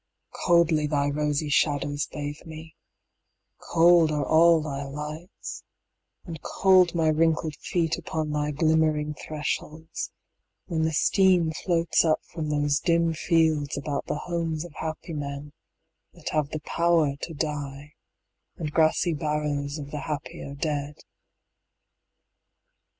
Coldly thy rosy shadows bathe me, cold Are all thy lights, and cold my wrinkled feet Upon thy glimmering thresholds, when the steam Floats up from those dim fields about the homes Of happy men that have the power to die, And grassy barrows of the happier dead.